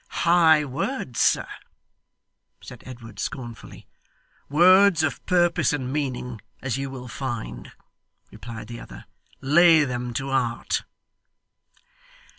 'High words, sir,' said Edward, scornfully. 'Words of purpose and meaning, as you will find,' replied the other. 'Lay them to heart.